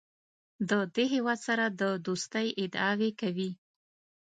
د دې هېواد سره د دوستۍ ادعاوې کوي.